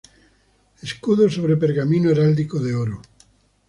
Escudo sobre pergamino heráldico de oro.